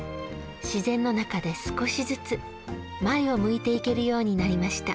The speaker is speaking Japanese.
自然の中で少しずつ前を向いていけるようになりました。